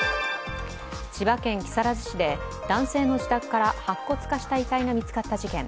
千葉県木更津市で男性の自宅から白骨化した遺体が見つかった事件。